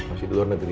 masih di luar negeri